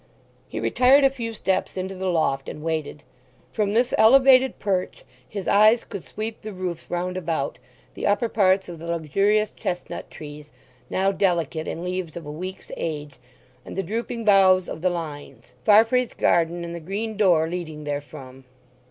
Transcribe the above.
He retired a few steps into the loft and waited. From this elevated perch his eyes could sweep the roofs round about, the upper parts of the luxurious chestnut trees, now delicate in leaves of a week's age, and the drooping boughs of the lines; Farfrae's garden and the green door leading therefrom.